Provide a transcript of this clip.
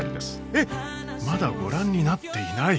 えっまだご覧になっていない！？